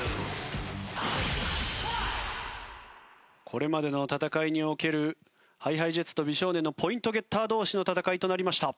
これまでの戦いにおけるＨｉＨｉＪｅｔｓと美少年のポイントゲッター同士の戦いとなりました。